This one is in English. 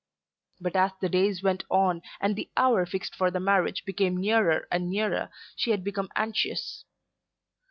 But as the days went on and the hour fixed for the marriage became nearer and nearer she had become anxious.